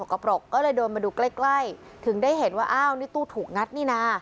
กระปรกก็เลยเดินมาดูใกล้ใกล้ถึงได้เห็นว่าอ้าวนี่ตู้ถูกงัดนี่นะ